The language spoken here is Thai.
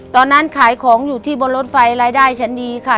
ขายของอยู่ที่บนรถไฟรายได้ฉันดีค่ะ